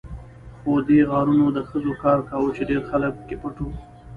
خو دې غارونو د خزو کار کاوه، چې ډېر خلک پکې پټ وو.